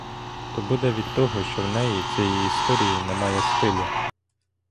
То буде від того, що в неї, цієї історії, немає стилю.